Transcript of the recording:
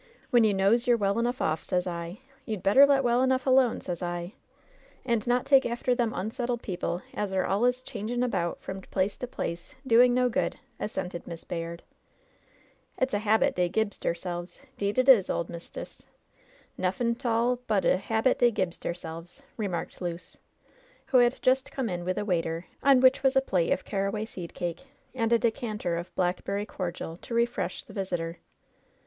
When you knows you're well enough off, sez I, you'd better let well enough alone, sez I. And not take after them imsettled people as are alius changing about from place to place, doing no good," assented Miss Bayard. "It's a habit dey gibs deirselves. 'Deed it is, ole mis t'ess. Nuffin' 't all but a habit dey gibs deirselves," re marked Luce, who had just come in with a waiter, on which was a plate of caraway seed cake and a decanter of blackberry cordial to refresh the visitor.